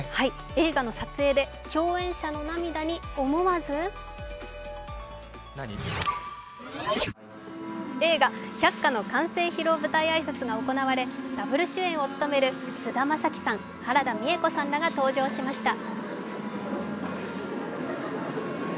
映画の撮影で共演者の涙に思わず映画「百花」の完成舞台挨拶が行われダブル主演を務める菅田将暉さん、原田美枝子さんが登場しました。